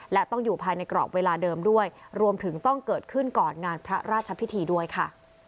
และต้องอยู่ภายในกรอบเวลาเดิมด้วยรวมถึงต้องเกิดขึ้นก่อนงานพระราชพิธีด้วยค่ะ